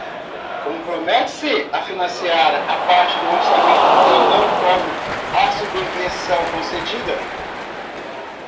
Compromete-se a financiar a parte do orçamento que não cobre a subvenção concedida.